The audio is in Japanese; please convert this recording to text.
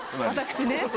私ね。